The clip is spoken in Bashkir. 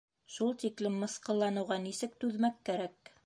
Шул тиклем мыҫҡылланыуға нисек түҙмәк кәрәк!